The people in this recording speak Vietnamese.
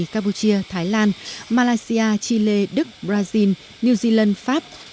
campuchia thái lan malaysia chile đức brazil new zealand pháp